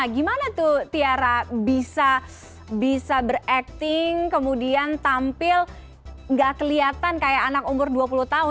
gimana tuh tiara bisa berakting kemudian tampil gak kelihatan kayak anak umur dua puluh tahun